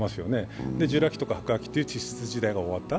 で、ジュラ紀とか白亜紀という地質時代が終わった。